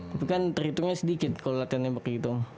itu kan terhitungnya sedikit kalau latihan nembak gitu